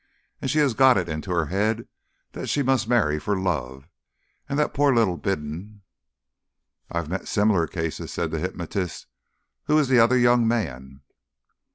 And she has got it into her head that she must marry for Love, and that poor little Bindon " "I've met similar cases," said the hypnotist. "Who is the other young man?"